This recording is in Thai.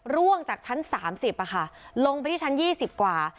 ร่วงจากชั้นสามสิบอะค่ะลงไปที่ชั้นยี่สิบกว่า